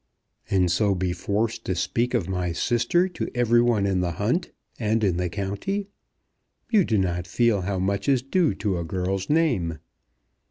"And so be forced to speak of my sister to every one in the hunt and in the county? You do not feel how much is due to a girl's name."